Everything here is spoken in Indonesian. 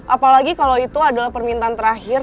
apalagi kalau itu adalah permintaan terakhir